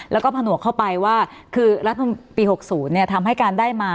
แล้วก็ผนวกเข้าไปว่าคือรัฐมนตรีปี๖๐ทำให้การได้มา